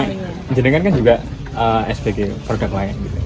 nah jenengan kan juga spg produk lain gitu